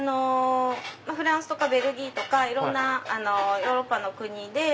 フランスとかベルギーとかいろんなヨーロッパの国で。